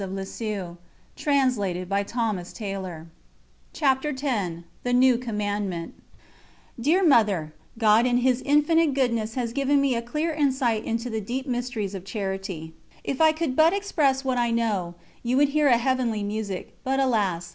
118:32. ______________________________ CHAPTER X THE NEW COMMANDMENT Dear Mother, God in His infinite goodness has given me a clear insight into the deep mysteries of Charity. If I could but express what I know, you would hear a heavenly music; but alas!